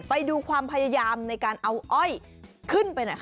ไปดูความพยายามในการเอาอ้อยขึ้นไปหน่อยค่ะ